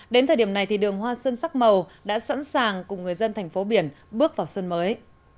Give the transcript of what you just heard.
đến thời điểm này thì đường hoa xuân sắc màu đã sẵn sàng cùng người dân thành phố biển bước vào xuân mới